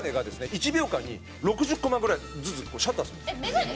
１秒間に６０コマぐらいずつシャッターするんです。